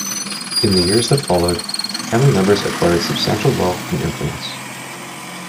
In the years that followed, family members acquired substantial wealth and influence.